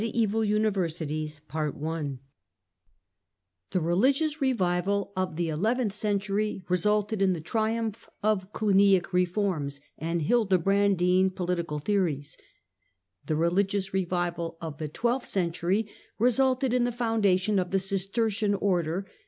CHAPTER XVI THE COMING OF THE FRIARS THE religious revival of the eleventh century resulted in the triumph of Cluniac reforms and Hildebrandine political theories. The religious revival of the twelfth century resulted in the foundation of the Cistercian Order.